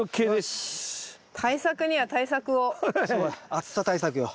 暑さ対策よ。